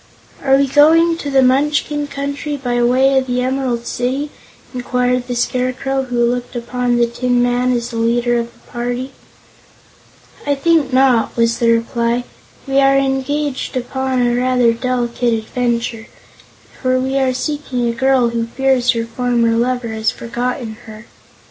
"Are we going to the Munchkin Country by way of the Emerald City?" inquired the Scarecrow, who looked upon the Tin Woodman as the leader of the party. "I think not," was the reply. "We are engaged upon a rather delicate adventure, for we are seeking a girl who fears her former lover has forgotten her.